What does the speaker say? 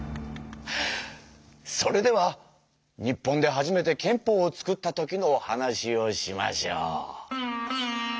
それでは日本で初めて憲法を作った時のお話をしましょう。